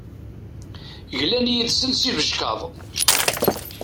Glan yid-sen s ibeckaḍ.